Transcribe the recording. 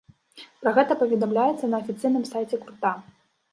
Пра гэта паведамляецца на афіцыйным сайце гурта.